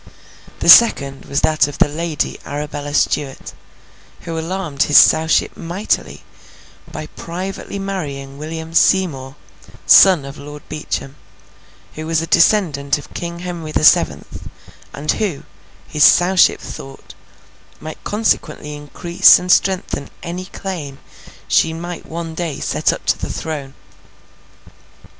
The second was that of the Lady Arabella Stuart, who alarmed his Sowship mightily, by privately marrying William Seymour, son of Lord Beauchamp, who was a descendant of King Henry the Seventh, and who, his Sowship thought, might consequently increase and strengthen any claim she might one day set up to the throne.